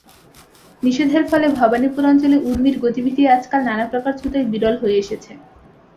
নিষেধের ফলে ভবানীপুর অঞ্চলে ঊর্মির গতিবিধি আজকাল নানাপ্রকার ছুতোয় বিরল হয়ে এসেছে।